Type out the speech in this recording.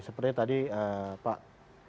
seperti tadi pak